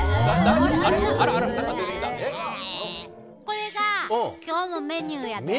これが今日のメニューやで。